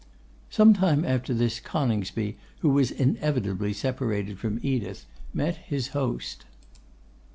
Some time after this, Coningsby, who was inevitably separated from Edith, met his host.